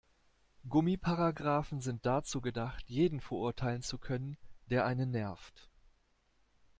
Gummiparagraphen sind dazu gedacht, jeden verurteilen zu können, der einen nervt.